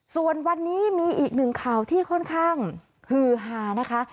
ส่วนวันนี้มีอีกหนึ่งข่าวที่ค่อนข้างฮือฮานะคะ